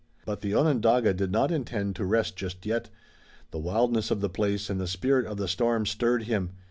But the Onondaga did not intend to rest just yet. The wildness of the place and the spirit of the storm stirred him.